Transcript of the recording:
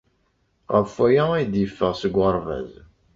Ɣef waya ay d-yeffeɣ seg uɣerbaz.